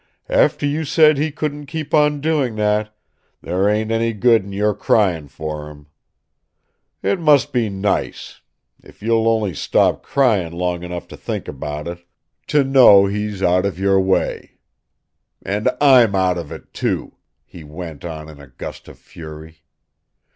After you said he couldn't keep on doing that, there ain't any good in your crying for him. It must be nice if you'll only stop crying long enough to think of it to know he's out of your way. And I'M out of it too!" he went on in a gust of fury.